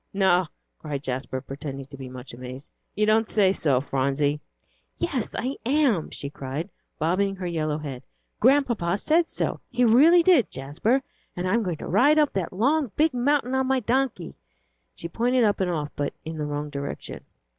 "No!" cried Jasper, pretending to be much amazed, "you don't say so, Phronsie!" "Yes, I am," she cried, bobbing her yellow head. "Grandpapa said so; he really did, Jasper. And I'm going to ride up that long, big mountain on my donkey." She pointed up and off, but in the wrong direction.